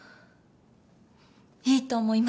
いいと思います。